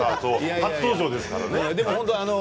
初登場ですから。